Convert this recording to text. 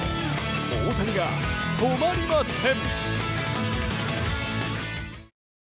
大谷が止まりません！